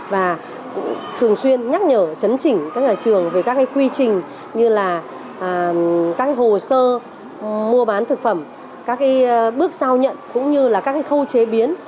và cũng thường xuyên nhắc nhở chấn chỉnh các nhà trường về các cái quy trình như là các cái hồ sơ mua bán thực phẩm các cái bước sau nhận cũng như là các cái khâu chế biến